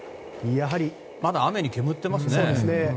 まだ雨に煙ってますね。